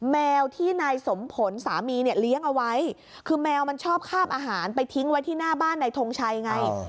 แมวที่นายสมผลสามีเนี่ยเลี้ยงเอาไว้คือแมวมันชอบคาบอาหารไปทิ้งไว้ที่หน้าบ้านนายทงชัยไง